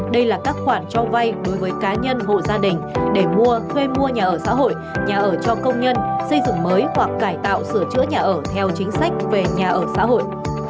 đây là các khoản cho vay đối với cá nhân hộ gia đình để mua thuê mua nhà ở xã hội nhà ở cho công nhân xây dựng mới hoặc cải tạo sửa chữa nhà ở theo chính sách về nhà ở xã hội